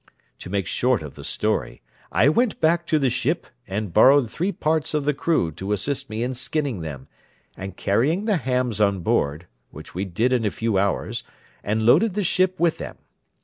To make short of the story, I went back to the ship, and borrowed three parts of the crew to assist me in skinning them, and carrying the hams on board, which we did in a few hours, and loaded the ship with them.